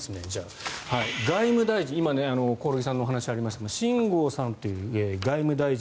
外務大臣、今興梠さんのお話にもありましたが秦剛さんという外務大臣